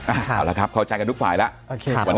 เอาละครับเข้าใจกันทุกฝ่ายแล้ว